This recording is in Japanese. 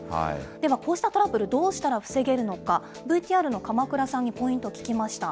では、こうしたトラブル、どうしたら防げるのか、ＶＴＲの鎌倉さんにポイント聞きました。